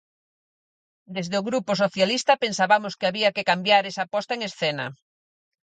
Desde o grupo socialista pensabamos que había que cambiar esa posta en escena.